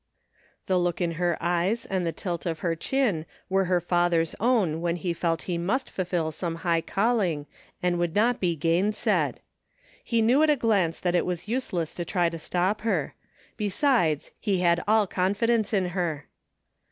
The look in her eyes and the tilt of her chin were her father's own when he felt he must fulfil some high calling and would not be gainsaid. He knew at a glance that it was useless to try to stop her. Besides, he had all confidence in her.